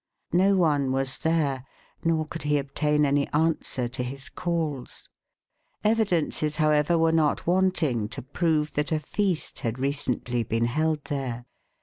No one was there, nor could he obtain any answer to his calls. Evidences, however, were not wanting to prove that a feast had recently been held there.